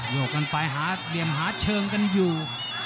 โยกกันไปหาเหลี่ยมหาเชิงกันอยู่